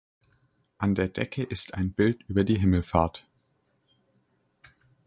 An der Decke ist ein Bild über die Himmelfahrt.